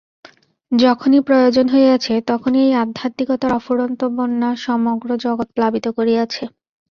যখনই প্রয়োজন হইয়াছে, তখনই এই আধ্যাত্মিকতার অফুরন্ত বন্যা সমগ্র জগৎ প্লাবিত করিয়াছে।